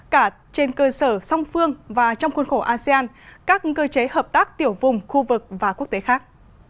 cả trên cơ sở song phương và trong khuôn khổ asean các cơ chế hợp tác tiểu vùng khu vực và quốc tế khác